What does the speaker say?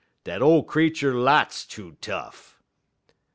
Dat ole creetur lots too tough.'